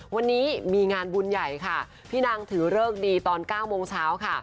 วันนี้มีงานบุญใหญ่ค่ะพี่นางถือเลิกดีตอน๙โมงเช้าค่ะ